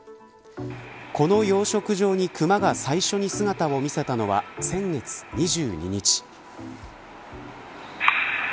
この養殖場にクマが最初に姿を見せたのは先月２２日。